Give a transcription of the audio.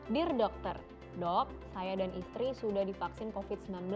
dear dokter dok saya dan istri sudah divaksin covid sembilan belas